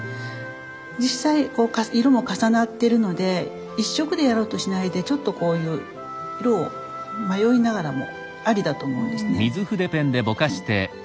実際こう色も重なってるので一色でやろうとしないでちょっとこういう色を迷いながらもありだと思うんですね。